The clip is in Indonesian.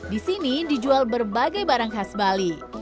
di sini dijual berbagai barang khas bali